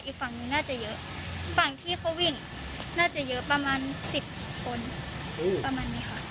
อีกฝั่งนึงน่าจะเยอะฝั่งที่เขาวิ่งน่าจะเยอะประมาณสิบคนประมาณนี้ค่ะ